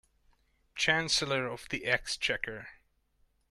Chancellor of the Exchequer